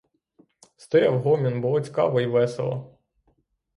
Стояв гомін, було цікаво й весело.